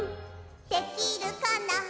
「できるかな」